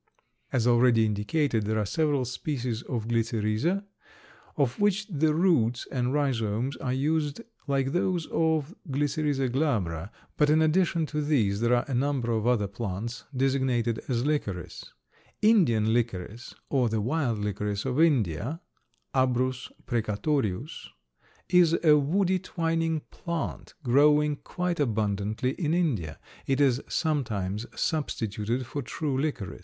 As already indicated there are several species of Glycyrrhiza of which the roots and rhizomes are used like those of G. glabra, but, in addition to these there are a number of other plants designated as licorice. Indian licorice or the wild licorice of India (Abrus precatorius), is a woody twining plant growing quite abundantly in India; it is sometimes substituted for true licorice.